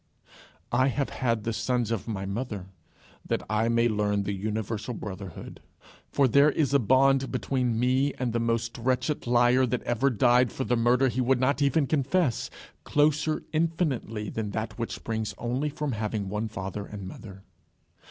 I have had the sons of my mother that I may learn the universal brotherhood. For there is a bond between me and the most wretched liar that ever died for the murder he would not even confess, closer infinitely than that which springs only from having one father and mother.